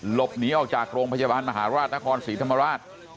หลบหนีออกจากโรงพยาบาลมหาราชนครศรีธรรมราช